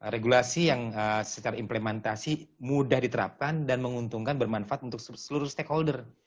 regulasi yang secara implementasi mudah diterapkan dan menguntungkan bermanfaat untuk seluruh stakeholder